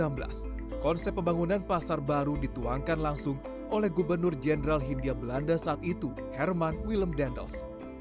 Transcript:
pada awal abad ke sembilan belas konsep pembangunan pasar baru dituangkan langsung oleh gubernur jenderal hindia belanda saat itu herman willem dendels